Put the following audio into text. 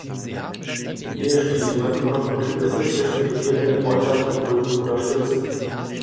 Eheschließungen konnten Bündnisse zwischen regierenden Häusern begründen oder stützen.